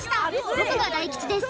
僕が大吉です